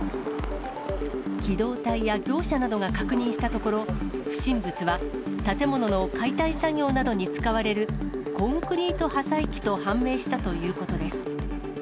機動隊や業者などが確認したところ、不審物は建物の解体作業などに使われる、コンクリート破砕器と判明したということです。